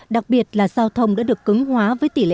đặc biệt là giao thông đã được cứng hóa với tỉnh sơn la